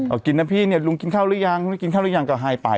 อ่ะกินนะพี่ลุงอาจารย์ลุงกินข้าวรึยังคุณกินข้าวรึยังแล้วขายไป